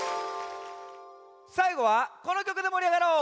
さいごはこのきょくでもりあがろう！